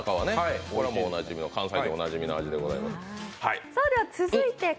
これは関西でおなじみの味でございます。